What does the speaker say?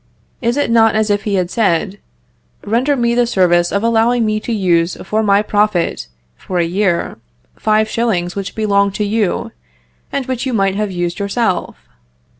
Is it not as if he had said, "Render me the service of allowing me to use for my profit, for a year, five shillings which belong to you, and which you might have used for yourself"?